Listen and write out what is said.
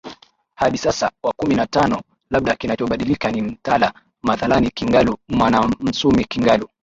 hadi sasa wa kumi na tano labda kinachobadilika ni Mtala Mathalani Kingalu Mwanamsumi Kingalu